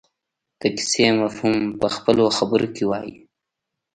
د کیسې مفهوم په خپلو خبرو کې ووايي.